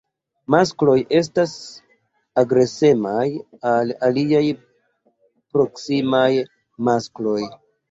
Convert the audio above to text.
Maskloj estas agresemaj al aliaj proksimaj maskloj.